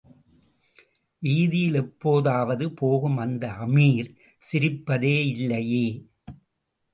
வீதியில் எப்போதாவது போகும் அந்த அமீர் சிரிப்பதேயில்லையே?